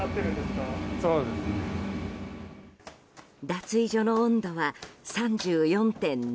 脱衣所の温度は３４．７度。